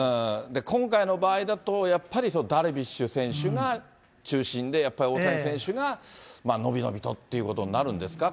今回の場合だと、やっぱりダルビッシュ選手が中心で、やっぱり大谷選手がのびのびとってことになるんですか？